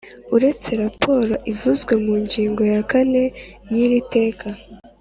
Uretse raporo ivuzwe mu ngingo ya kane y’iri teka